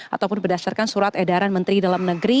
ataupun berdasarkan surat edaran menteri dalam negeri